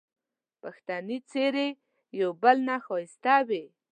پښتني څېرې یو بل نه ښایسته وې